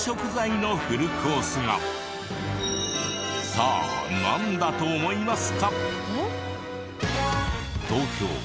さあなんだと思いますか？